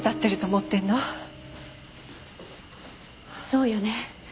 そうよね。